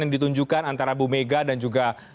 yang ditunjukkan antara bu mega dan juga